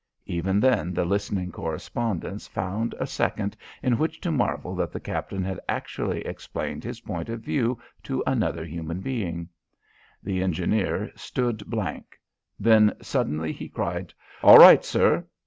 Even then the listening correspondents found a second in which to marvel that the captain had actually explained his point of view to another human being. The engineer stood blank. Then suddenly he cried: "All right, sir!"